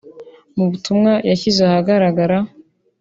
Mu butumwa yashyize ahagaragara